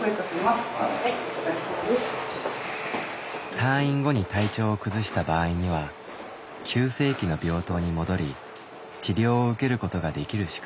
退院後に体調を崩した場合には急性期の病棟に戻り治療を受けることができる仕組みです。